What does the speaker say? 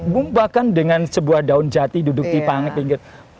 bahkan dengan sebuah daun jati duduk di panggung pinggir